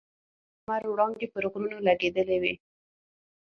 تازه د لمر وړانګې پر غرونو لګېدلې وې.